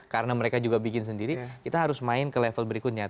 karena mereka juga bikin sendiri kita harus main ke level berikutnya